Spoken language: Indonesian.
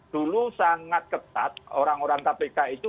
dulu sangat ketat orang orang kpk itu